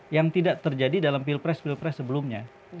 yang tidak terjadi dalam pilpres pilpres sebelumnya